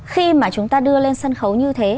khi mà chúng ta đưa lên sân khấu như thế